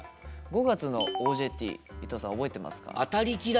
５月の「ＯＪＴ」伊藤さん覚えてますか？